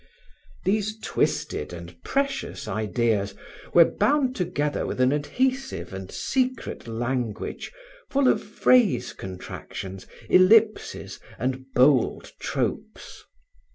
These twisted and precious ideas were bound together with an adhesive and secret language full of phrase contractions, ellipses and bold tropes.